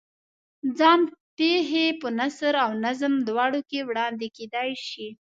ځان پېښې په نثر او نظم دواړو کې وړاندې کېدای شي.